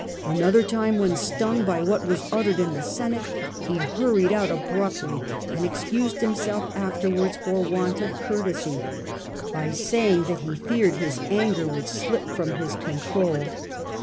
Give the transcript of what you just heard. Another time, when stung by what was watchfulness ottered in the Senate, he hurried out abruptly, and self ,1 r ^ r \ restraint. and excused himself afterwards for want of courtesy by saying that he feared his anger would slip from his control.